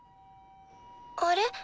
あれ？